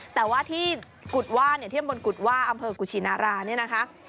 แต่ว่าที่กุฎว่าเนี่ยที่ตำบลกุฎว่าอำเภอกุชินาราเนี่ยนะคะ